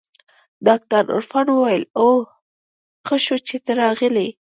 ډاکتر عرفان وويل اوهو ښه شو چې ته راغلې.